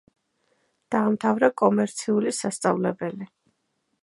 დაამთავრა კომერციული სასწავლებელი.